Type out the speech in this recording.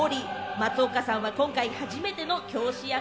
松岡さんは今回初めての教師役。